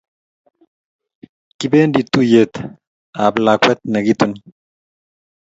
Kipendi tuyet ab lakwet ne kituni